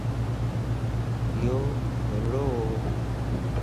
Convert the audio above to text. ايو بولڙووَ